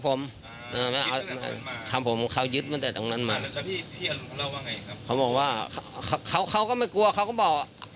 พี่พี่อารุณเขาเล่าว่าไงครับเขาบอกว่าเขาเขาก็ไม่กลัวเขาก็บอก